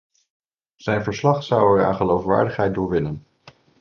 Zijn verslag zou er aan geloofwaardigheid door winnen.